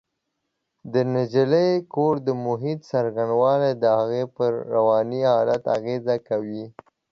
د نجلۍ د کور د محیط څرنګوالی د هغې پر رواني حالت اغېز کوي